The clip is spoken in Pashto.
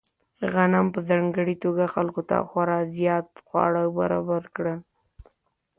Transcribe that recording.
غنم په ځانګړې توګه خلکو ته خورا زیات خواړه برابر کړل.